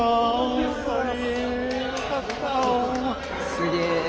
すげえ。